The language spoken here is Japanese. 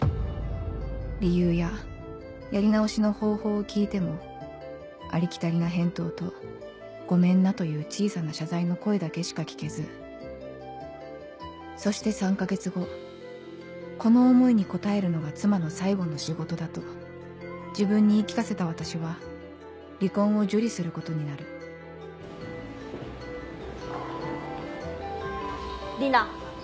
理由ややり直しの方法を聞いてもありきたりな返答と「ごめんな」という小さな謝罪の声だけしか聞けずそして３か月後この思いに応えるのが妻の最後の仕事だと自分に言い聞かせた私は離婚を受理することになる里奈。